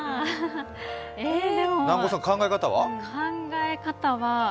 南後さん、考え方は？